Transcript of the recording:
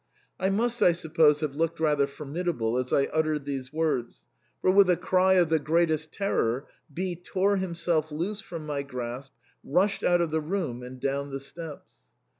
I must, I suppose, have looked rather formidable as I uttered these words, for, with a cry of the greatest terror, B tore himself loose from my grasp, rushed out of the room, and down the steps."